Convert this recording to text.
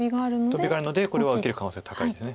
トビがあるのでこれは受ける可能性高いです。